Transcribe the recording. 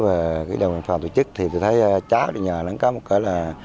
và đồng hành phòng tổ chức thì tôi thấy cháu nhờ nó có một cái là